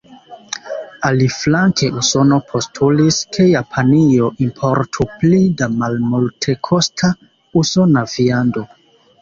Aliflanke Usono postulis, ke Japanio importu pli da malmultekosta usona viando.